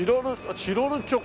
チロルチョコ。